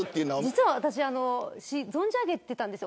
実は存じ上げていたんです。